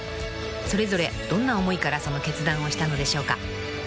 ［それぞれどんな思いからその決断をしたのでしょうか？］